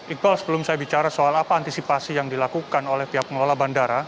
iqbal sebelum saya bicara soal apa antisipasi yang dilakukan oleh pihak pengelola bandara